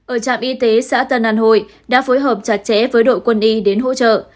ở trạm y tế xã tân an hội đã phối hợp chặt chẽ với đội quân y đến hỗ trợ